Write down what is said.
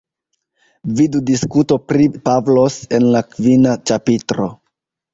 Vidu diskuto pri Pavlos en la kvina ĉapitro.